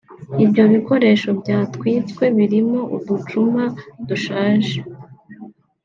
Ibyo bikoresho byatwitswe birimo uducuma dushaje